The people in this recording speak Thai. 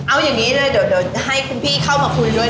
เอาอย่างนี้เลยเดี๋ยวให้คุณพี่เข้ามาคุยด้วย